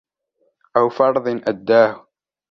أَوْ فَرْضٍ أَدَّاهُ